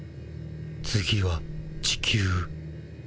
次は地球。